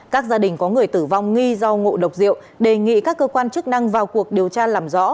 các gia đình có người tử vong nghi do ngộ độc rượu đề nghị các cơ quan chức năng vào cuộc điều tra làm rõ